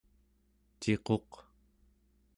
ciquq